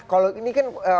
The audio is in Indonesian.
kalau ini kan